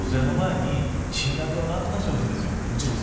増税の前に何とか賃上げを何とかしてほしいですよ。